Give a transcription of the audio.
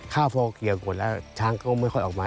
ถ้าพอเกี่ยวกดแล้วช้างก็ไม่ค่อยออกมา